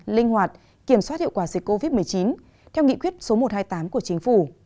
linh hoạt kiểm soát hiệu quả dịch covid một mươi chín theo nghị quyết số một trăm hai mươi tám của chính phủ